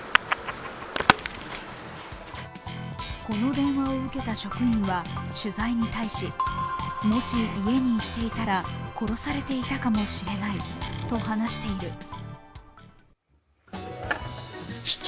この電話を受けた職員は、取材に対しもし家に行っていたら殺されていたかもしれないと話している。